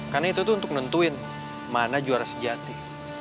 karena itu tuh untuk nentuin mana juara sejati